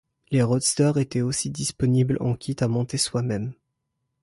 Les roadsters étaient aussi disponibles en kit à monter soi-même.